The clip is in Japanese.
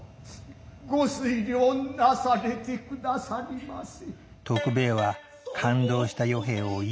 御推量なされて下さりませ。